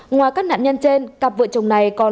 ngoài các nạn nhân trên cặp vợ chồng này còn